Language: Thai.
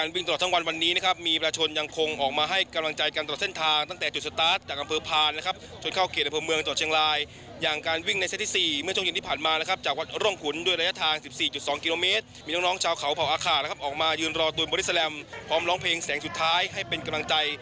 วัดโรงขุนด้วยระยะทาง๑๔๒กิโลเมตรมีน้องชาวเขาเพราะอาคารออกมายืนรอตูนบอริสแรมพร้อมร้องเพลงแสงสุดท้ายให้เป็นกำลังใจ